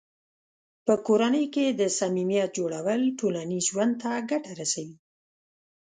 په کورنۍ کې د صمیمیت جوړول ټولنیز ژوند ته ګټه رسوي.